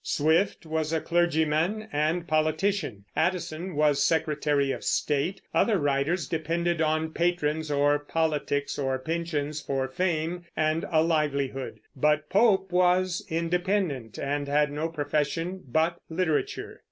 Swift was a clergyman and politician; Addison was secretary of state; other writers depended on patrons or politics or pensions for fame and a livelihood; but Pope was independent, and had no profession but literature.